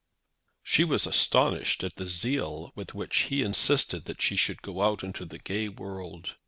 She was astonished at the zeal with which he insisted that she should go out into the gay world.